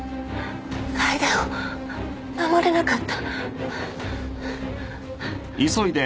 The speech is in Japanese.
楓を守れなかった